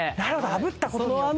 あぶったことによって。